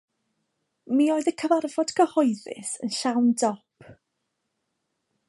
Mi oedd y cyfarfod cyhoeddus yn llawn dop.